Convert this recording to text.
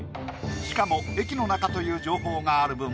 しかも駅の中という情報がある分